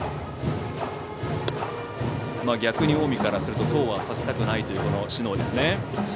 逆に近江からするとそうはさせたくないという小竹ですね。